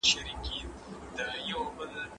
د نادرافشار توپخانې ابدالیانو ته ډېر زيان واړاوه.